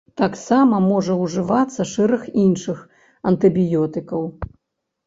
Таксама можа ўжывацца шэраг іншых антыбіётыкаў.